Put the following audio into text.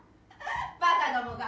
バカどもが。